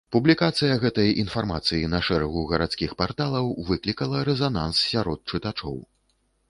Публікацыя гэтай інфармацыі на шэрагу гарадскіх парталаў выклікала рэзананс сярод чытачоў.